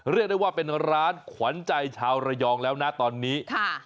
เรียกได้ว่าเป็นร้านขวัญใจชาวระยองแล้วนะตอนนี้ค่ะ